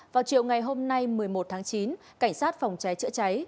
vào chiều ngày hôm nay một mươi một tháng chín cảnh sát phòng cháy chữa cháy